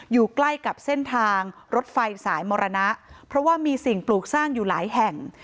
อยู่ใกล้กับเส้นทางรถไฟสายมรณะเพราะว่ามีสิ่งปลูกสร้างอยู่หลายแห่ง